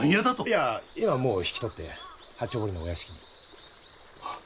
いや今はもう引き取って八丁堀のお屋敷に。